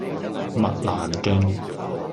麥蘭徑